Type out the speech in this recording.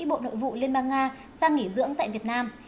bộ nội vụ liên bang nga sang nghỉ dưỡng tại việt nam